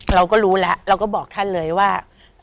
เราก็รู้แล้วเราก็บอกท่านเลยว่า